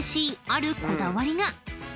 あるこだわり？